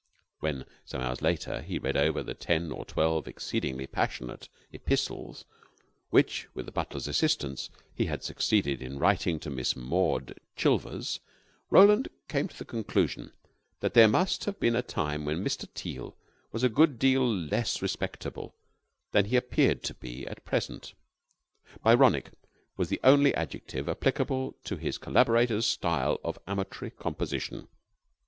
When, some hours later, he read over the ten or twelve exceedingly passionate epistles which, with the butler's assistance, he had succeeded in writing to Miss Maud Chilvers, Roland came to the conclusion that there must have been a time when Mr. Teal was a good deal less respectable than he appeared to be at present. Byronic was the only adjective applicable to his collaborator's style of amatory composition.